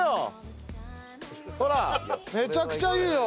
めちゃくちゃいいよ。